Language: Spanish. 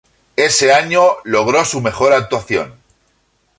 Ese año, logró su mejor actuación.